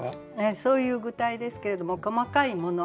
そういう具体ですけれども細かいもの